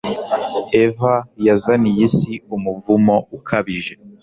Eva yazaniye isi umuvumo ukabije